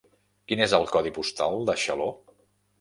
Quin és el codi postal de Xaló?